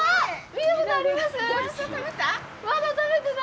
見たことあります？